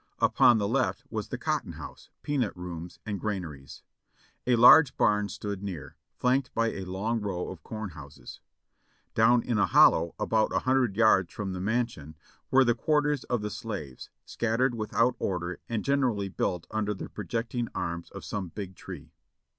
Upon the left was the cotton house, peanut rooms and granaries. A large barn stood near, flanked by a long row of corn houses. Down in a hollow, about a hundred yards from the mansion, were the quarters of the slaves, scattered without order and gen erally built under the projecting arms of some big tree.